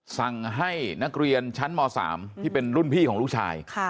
สั่งให้นักเรียนชั้นม๓ที่เป็นรุ่นพี่ของลูกชาย